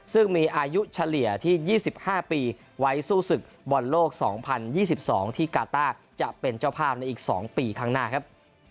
ซึ่งมีอายุเฉลี่ยที่๒๕ปีไว้สู้ศึกบอลโลก๒๐๒๒ที่กาต้าจะเป็นเจ้าภาพในอีก๒ปีข้างหน้าครับ